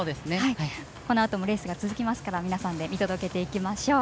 このあともレースが続きますから見届けていきましょう。